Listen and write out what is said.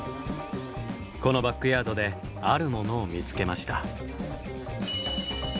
このバックヤードであるものを見つけました。